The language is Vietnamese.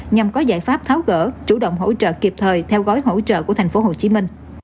nhằm có giải pháp tháo gỡ chủ động hỗ trợ kịp thời theo gói hỗ trợ của tp hcm